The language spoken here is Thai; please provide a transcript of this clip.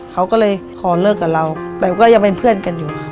เขาก็เลยขอเลิกกับเราแต่ก็ยังเป็นเพื่อนกันอยู่